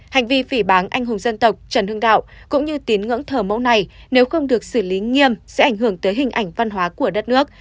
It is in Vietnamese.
hành vi phỉ bán anh hùng dân tộc trần hưng đạo cũng như tín ngưỡng thờ mẫu này nếu không được xử lý nghiêm sẽ ảnh hưởng tới hình ảnh văn hóa của đất nước